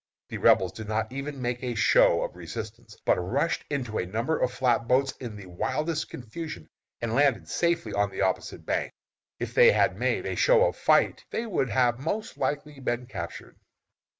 The Rebels did not even make a show of resistance, but rushed into a number of flat boats in the wildest confusion, and landed safely on the opposite bank. If they had made a show of fight, they would have most likely been captured.